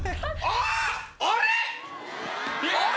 あれ？